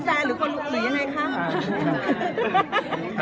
หรือคนหลุ่มอย่างไรค่ะ